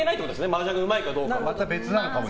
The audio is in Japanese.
マージャンがうまいかどうかは。